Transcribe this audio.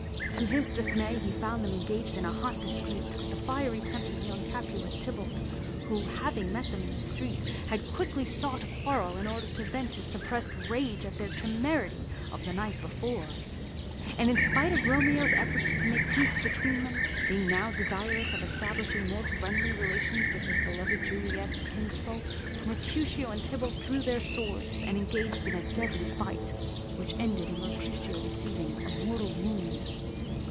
To his dismay, he found them engaged in a hot dispute with the fiery tempered young Capulet, Tybalt, who, having met them in the street, had quickly sought a quarrel in order to vent his suppressed rage at their temerity of the night before; and in spite of Romeo's efforts to make peace between them, being now desirous of establishing more friendly relations with his beloved Juliet's kinsfolk, Mercutio and Tybalt drew their swords, and engaged in a deadly fight, which ended in Mercutio receiving a mortal wound.